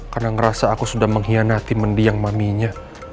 karena ngerasa aku sudah mengkhianati mendiang maminya